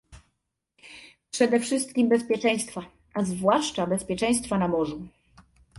przede wszystkim bezpieczeństwa, a zwłaszcza bezpieczeństwa na morzu